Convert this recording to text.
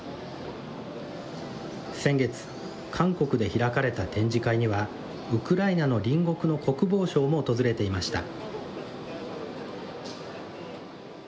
先月、韓国で開かれた展示会には、ウクライナの隣国の国防相も訪れていました。